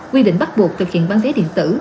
quy định bắt buộc thực hiện bán vé điện tử